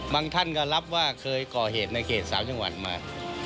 ท่านก็รับว่าเคยก่อเหตุในเขต๓จังหวัดมา